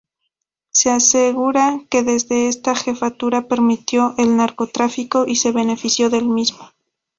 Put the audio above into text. Se asegura que desde esta jefatura permitió el narcotráfico y se benefició del mismo.